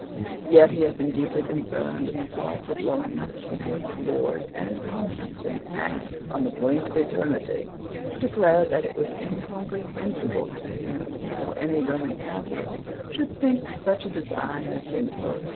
Yet he had been deeply concerned in the plot for blowing up King, Lords, and Commons, and had, on the brink of eternity, declared that it was incomprehensible to him how any Roman Catholic should think such a design sinful.